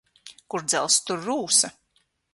Kur dzelzs, tur rūsa.